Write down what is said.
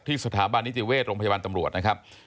ที่สถาบันอิจิเวศร์โรงพยาบาลตำรวจนะครับ